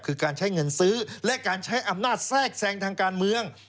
คือการใช้เงินซื้อและการใช้อำนาจแทรกแซงทางการเมือง